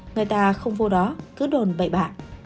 người ta không vô đó cứ đồn bậy bạ